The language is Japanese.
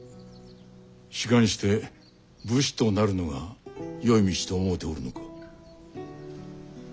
仕官して武士となるのがよい道と思うておるのか？